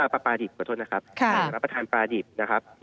ปลาปลาดิบขอโทษนะครับรับประทานปลาดิบนะครับ